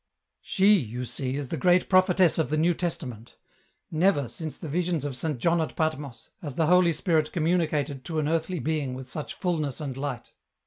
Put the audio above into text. " She, you see, is the great prophetess of the New Testa ment. Never, since the visions of Saint John at Patmos, has the Holy Spirit communicated to an earthly being with such fulness and light.